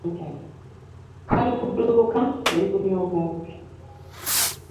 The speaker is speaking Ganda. Kali ku dduuka erikuli okumpi.